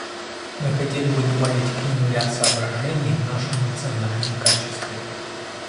Мы хотели бы добавить к нему ряд соображений в нашем национальном качестве.